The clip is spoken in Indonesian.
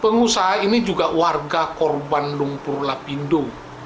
pengusaha ini juga warga korban lumpur lapindo